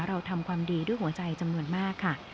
เราทำความดีด้วยหัวใจจำนวนมากค่ะ